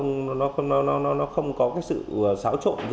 nó không có cái sự xáo trộn